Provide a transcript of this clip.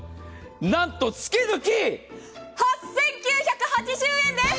なんと月々８９８０円です！